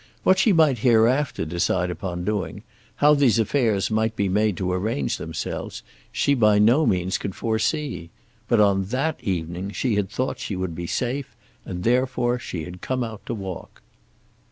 What she might hereafter decide upon doing, how these affairs might be made to arrange themselves, she by no means could foresee; but on that evening she had thought she would be safe, and therefore she had come out to walk.